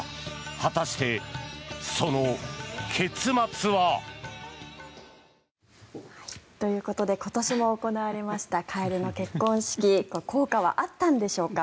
果たして、その結末は。ということで今年も行われましたカエルの結婚式効果はあったんでしょうか。